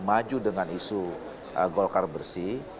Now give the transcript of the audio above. maju dengan isu golkar bersih